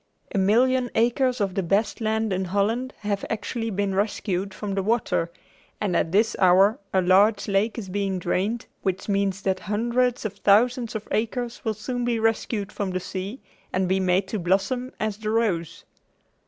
A million acres of the best land in Holland have actually been rescued from the water, and at this hour a large lake is being drained which means that hundreds of thousands of acres will soon be rescued from the sea and be made to blossom as the rose.